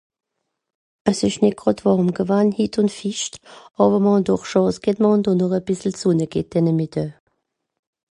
ass esch nie gràd warm gewann hit un fischt awer mer hàn doch Chance g'hett mer hàn do noch a bìssel sonne g'hett denne metdaa